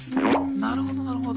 なるほどなるほど。